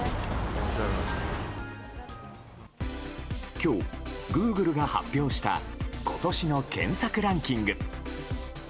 今日、グーグルが発表した今年の検索ランキング。